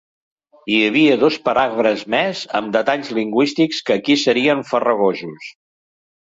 Hi havia dos paràgrafs més amb detalls lingüístics que aquí serien farragosos.